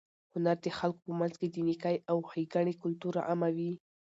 هنر د خلکو په منځ کې د نېکۍ او ښېګڼې کلتور عاموي.